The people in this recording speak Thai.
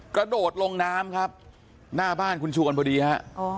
กระโดดลงน้ำครับหน้าบ้านคุณชวนพอดีฮะ